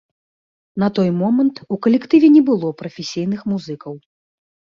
На той момант у калектыве не было прафесійных музыкаў.